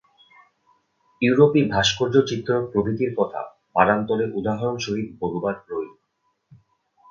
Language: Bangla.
ইউরোপী ভাস্কর্য চিত্র প্রভৃতির কথা বারান্তরে উদাহরণ সহিত বলবার রইল।